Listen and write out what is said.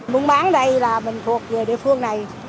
muốn bán ở đây là mình thuộc về địa phương này